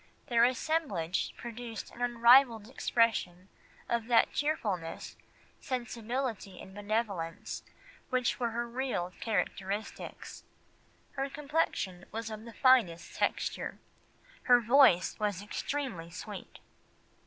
Their assemblage produced an unrivalled expression of that cheerfulness, sensibility, and benevolence, which were her real characteristics. Her complexion was of the finest texture. Her voice was extremely sweet."